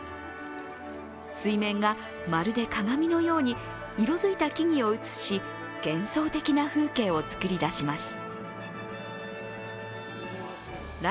水面がまるで鏡のように色づいた木々を映し、幻想的な風景を作り出します。